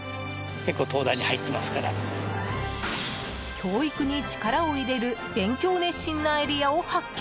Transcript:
教育に力を入れる勉強熱心なエリアを発見。